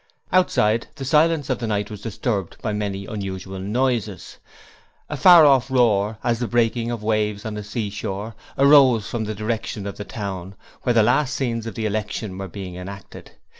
Outside, the silence of the night was disturbed by many unusual noises: a far off roar, as of the breaking of waves on a seashore, arose from the direction of the town, where the last scenes of the election were being enacted.